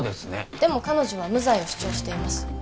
でも彼女は無罪を主張しています